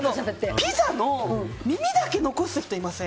ピザの耳だけ残す人いません？